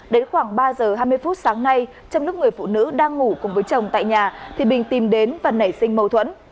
đến khoảng ba giờ hai mươi phút sáng nay trong lúc người phụ nữ đang ngủ cùng với chồng tại nhà thì bình tìm đến và nảy sinh mâu thuẫn